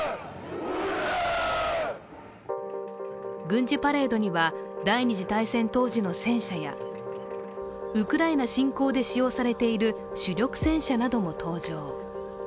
軍事パレードには第二次大戦当時の戦車やウクライナ侵攻で使用されている主力戦車なども登場。